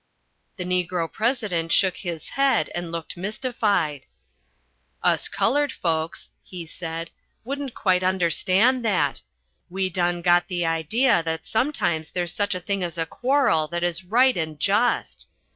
The Negro President shook his head and looked mystified. "Us coloured folks," he said, "wouldn't quite understand that. We done got the idea that sometimes there's such a thing as a quarrel that is right and just."